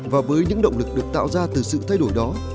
và với những động lực được tạo ra từ sự thay đổi đó